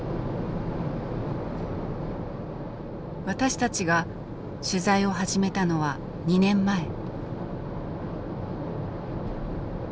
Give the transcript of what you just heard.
私たちが取材を始めたのは２年前。